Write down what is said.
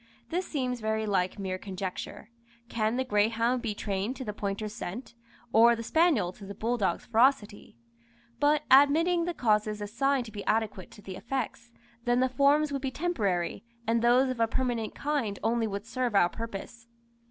This seems very like mere conjecture. Can the greyhound be trained to the pointer's scent or the spaniel to the bulldog's ferocity? But admitting the causes assigned to be adequate to the effects, then the forms would be temporary, and those of a permanent kind only would serve our purpose.